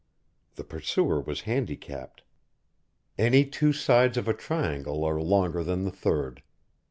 The pursuer was handicapped. Any two sides of a triangle are longer than the third.